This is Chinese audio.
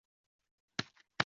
应天府乡试第三十五名。